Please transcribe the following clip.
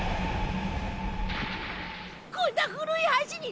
こんな古い橋に！